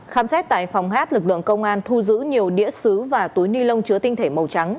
khám xét tại phòng hát lực lượng công an thu giữ nhiều đĩa xứ và túi ni lông chứa tinh thể màu trắng